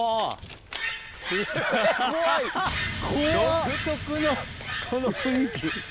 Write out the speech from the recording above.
独特のこの雰囲気。